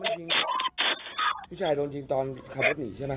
พี่ชายลงจริงตอนขับรถหนีใช่ไหม